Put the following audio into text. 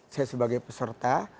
saya sebagai peserta